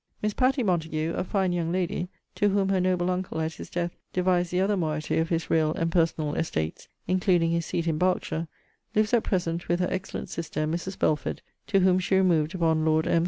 Miss PATTY MONTAGUE, a fine young lady [to whom her noble uncle, at his death, devised the other moiety of his real and personal estates, including his seat in Berkshire] lives at present with her excellent sister, Mrs. Belford; to whom she removed upon Lord M.'